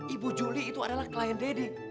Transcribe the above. ibu juli itu adalah klien dede